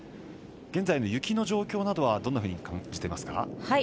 現在の雪の状況などはどんなふうに感じていますか。